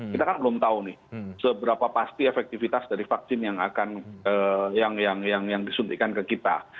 kita kan belum tahu nih seberapa pasti efektivitas dari vaksin yang akan disuntikan ke kita